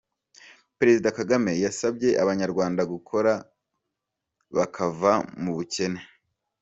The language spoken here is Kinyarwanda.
Perezida Kagame yasabye Abanyarwanda gukora bakava mu bukene.